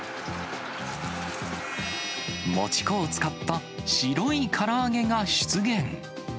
もち粉を使った白いから揚げが出現。